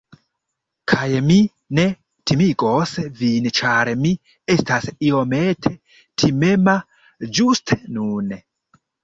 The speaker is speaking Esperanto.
Kaj mi ne timigos vin ĉar mi estas iomete timema ĝuste nun.